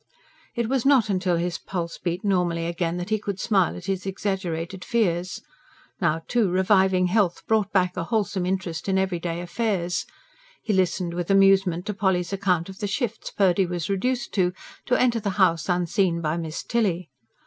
It was not till his pulse beat normally again that he could smile at his exaggerated fears. Now, too, reviving health brought back a wholesome interest in everyday affairs. He listened with amusement to Polly's account of the shifts Purdy was reduced to, to enter the house unseen by Miss Tilly.